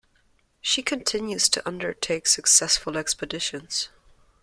She continues to undertake successful expeditions.